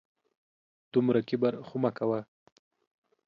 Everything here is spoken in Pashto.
دومره کبر خو مه کوه